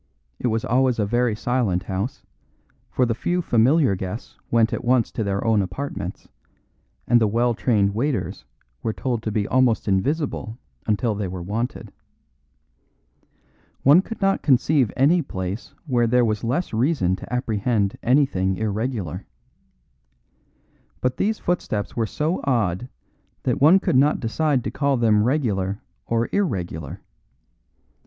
It was always a very silent house, for the few familiar guests went at once to their own apartments, and the well trained waiters were told to be almost invisible until they were wanted. One could not conceive any place where there was less reason to apprehend anything irregular. But these footsteps were so odd that one could not decide to call them regular or irregular.